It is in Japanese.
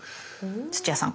土屋さん。